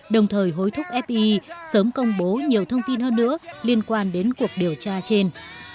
đồng thời hối thúc fi sớm công bố nhiều thông tin hơn nữa liên quan đến cuộc điều tra trên